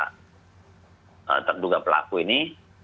terduga pelaku ini